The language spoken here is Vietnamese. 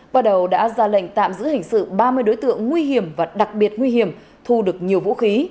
bắt đầu đã ra lệnh tạm giữ hình sự ba mươi đối tượng nguy hiểm và đặc biệt nguy hiểm thu được nhiều vũ khí